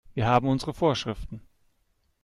Wir haben unsere Vorschriften.